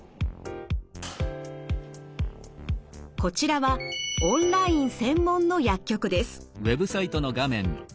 こちらはオンライン専門の薬局です。